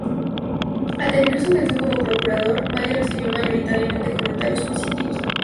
Al terminar su gestión como procurador, Maya recibió mayoritariamente comentarios positivos.